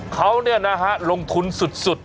เขาลงทุนสุด